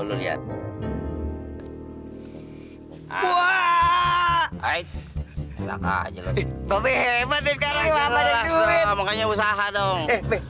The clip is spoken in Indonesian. mbak bobby hebat hidup karena usaha dong